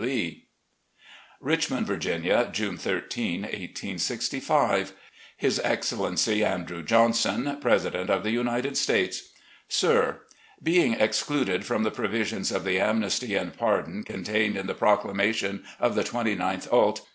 Lee." "Richmond, Virginia, June 13, 1865. "His Excellency Andrew Johnson, " President of the United States. "Sir: Being excluded from the provisions of the amnesty and pardon contained in the proclamation of the 29th ult.